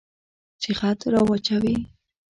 چې خط را واچوي.